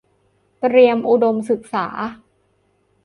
เตรียมอุดมศึกษา